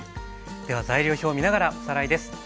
では材料表を見ながらおさらいです。